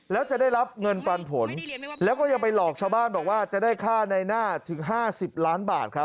แล้วจะได้รับเงินปันผลแล้วก็ยังไปหลอกชาวบ้านบอกว่าจะได้ค่าในหน้าถึง๕๐ล้านบาทครับ